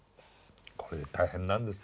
これ大変なんですね。